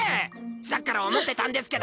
さっきから思ってたんですけど